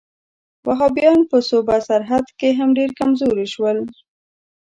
وهابیان په صوبه سرحد کې هم ډېر کمزوري شول.